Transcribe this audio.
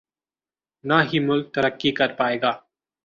نہ ہی ملک ترقی کر پائے گا۔